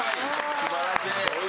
素晴らしい。